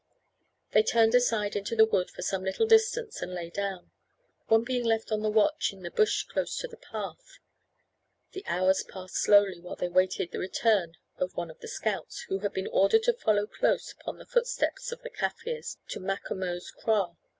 They turned aside into the wood for some little distance and lay down, one being left on the watch in the bush close to the path. The hours passed slowly while they waited the return of one of the scouts, who had been ordered to follow close upon the footsteps of the Kaffirs to Macomo's kraal.